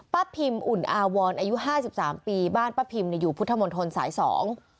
พิมอุ่นอาวรอายุห้าสิบสามปีบ้านป้าพิมเนี่ยอยู่พุทธมนตรสายสอง